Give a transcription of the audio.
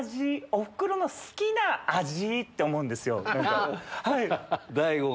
おふくろの好きな味！って思うんですよ。